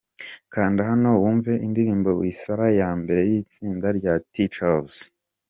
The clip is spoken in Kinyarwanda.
Kanda hano wumve indirimbo’Wisara’ ya mbere y’itsinda rya Teacherz.